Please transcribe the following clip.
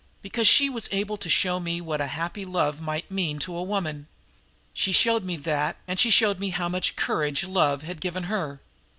Because she was able to show me what a happy love might mean to a woman. She showed me that, and she showed me how much courage love had given her.